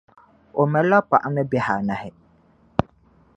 O mali la paɣa ni bihi anahi.